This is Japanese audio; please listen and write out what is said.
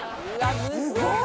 すごいな！」